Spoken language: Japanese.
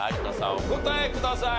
お答えください。